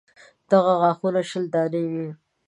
دغه غاښونه شل دانې وي.